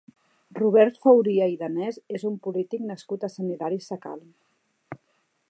Robert Fauria i Danés és un polític nascut a Sant Hilari Sacalm.